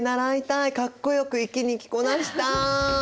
かっこよく粋に着こなしたい！